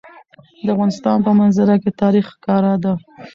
د افغانستان په منظره کې تاریخ ښکاره ده.